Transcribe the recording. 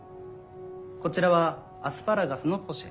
こちらはアスパラガスのポシェ。